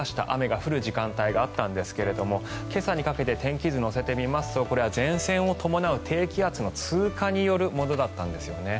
雨が降る時間帯があったんですが今朝にかけて天気図を乗せてみますとこれは前線を伴う低気圧の通過によるものだったんです。